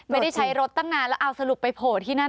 ไม่ได้ใช้รถตั้งนานแล้วเอาสรุปไปโผล่ที่นั่น